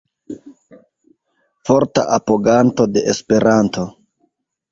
Forta apoganto de Esperanto.